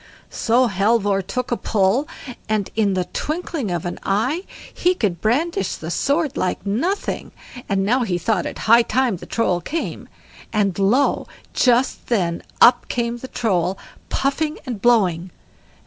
So Halvor took a pull, and in the twinkling of an eye he could brandish the sword like nothing; and now he thought it high time the Troll came; and lo! just then up came the Troll puffing and blowing.